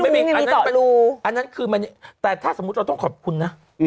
ไม่รู้อันนั้นคือมันแต่ถ้าสมมุติเราต้องขอบคุณน่ะอืม